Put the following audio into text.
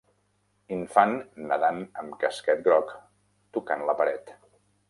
Infant nadant amb casquet groc tocant la paret